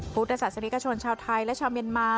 พุทธศาสนิกชนชาวไทยและชาวเมียนมา